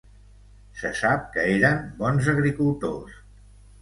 Se sap que eren bons agricultors.